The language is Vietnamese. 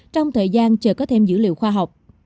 trong thời gian chờ có thêm dữ liệu khoa học